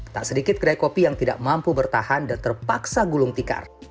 tak sedikit kedai kopi yang tidak mampu bertahan dan terpaksa gulung tikar